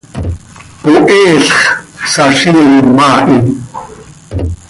Poheel x, saziim haa hi.